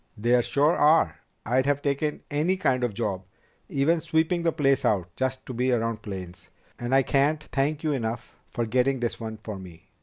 "There sure are. I'd have taken any kind of job, even sweeping the place out, just to be around planes. And I can't thank you enough for getting this one for me."